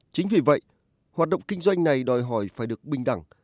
chính vì vậy hoạt động kinh doanh này đòi hỏi phải được bình đẳng